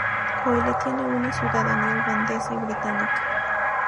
Coyle tiene una ciudadanía irlandesa y británica.